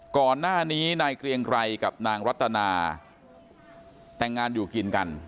ก่อนหน้านี้นายเกรียงไกรกับนางรัตนาแต่งงานอยู่กินกัน